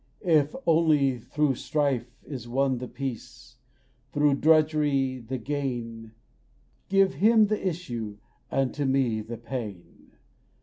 If only through the strife Is won the peace, through drudgery the gain, Give him the issue, and to me the pain!"